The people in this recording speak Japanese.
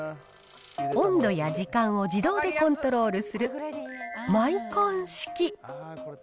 温度や時間を自動でコントロールするマイコン式。